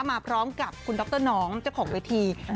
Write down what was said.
มาพร้อมกับคุณดรน้องเจ้าของเวที